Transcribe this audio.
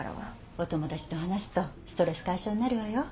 お友達と話すとストレス解消になるわよ。